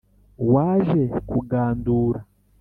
Waje kugandura,